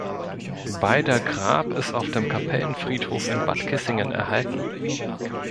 Beider Grab ist auf dem Kapellenfriedhof in Bad Kissingen erhalten.